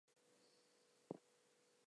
I love to add sentences so much